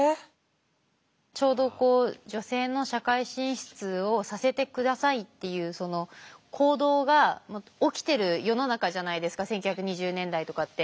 ちょうどこう女性の社会進出をさせてくださいっていうその行動が起きてる世の中じゃないですか１９２０年代とかって。